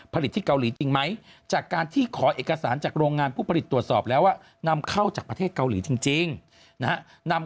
ผลิตที่เกาหลีจริงไหม